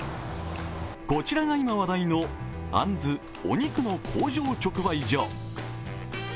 こちらが今話題の、あんずお肉の工場直売所。